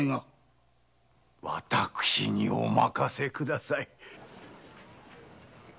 私にお任せください。